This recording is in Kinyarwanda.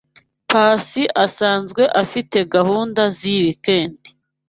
Pacy asanzwe afite gahunda ziyi weekend.